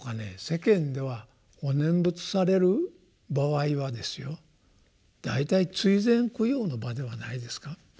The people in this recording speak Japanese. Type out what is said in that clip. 世間ではお念仏される場合はですよ大体追善供養の場ではないですか。